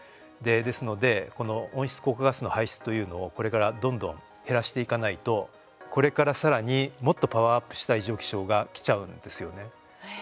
ですので、この温室効果ガスの排出というのをこれからどんどん減らしていかないとこれから、さらにもっとパワーアップした異常気象がきちゃうんですよね。